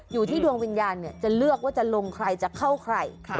อยู่ที่ดวงวิญญาณจะเลือกว่าจะลงใครจะเข้าใคร